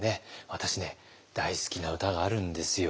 私ね大好きな歌があるんですよ。